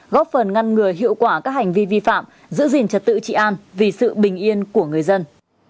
góp phần ngăn ngừa hiệu quả các hành vi vi phạm giữ gìn trật tự trị an vì sự bình yên của người dân